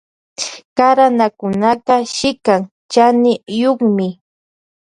Karanakunaka shikan chaniyukmi.